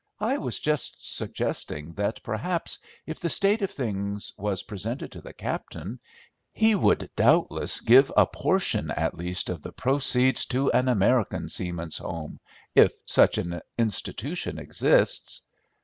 I was just suggesting that perhaps if the state of things was presented to the captain, he would doubtless give a portion at least of the proceeds to an American Seamen's Home—if such an institution exists."